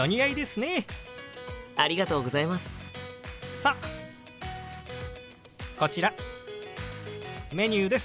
さあこちらメニューです。